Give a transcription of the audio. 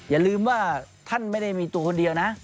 อย่าลืมว่าท่านไม่ได้มีตัวคนเดียวนะ